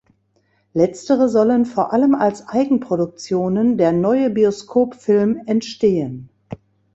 Letztere sollen vor allem als Eigenproduktionen der Neue Bioskop Film entstehen.